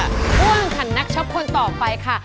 ร่วมขันนักชอบคนต่อไปค่ะ